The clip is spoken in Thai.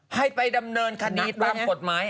ให้ไปดำเนินคดีตามกฎหมาย